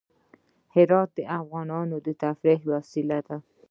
هرات د افغانانو د تفریح یوه وسیله ده.